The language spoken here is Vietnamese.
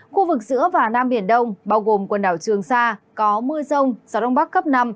khu vực giữa và nam biển đông bao gồm quần đảo trường sa có mưa rông gió đông bắc cấp năm